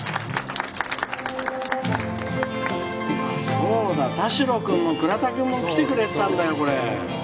そうだ田代くんも倉田くんも来てくれてたんだよこれ。